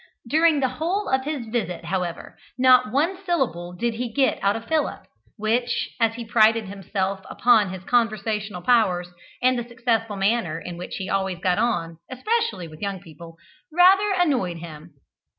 During the whole of his visit, however, not one syllable did he get out of Philip, which, as he prided himself upon his conversational powers, and the successful manner in which he always got on, especially with young people, rather annoyed him.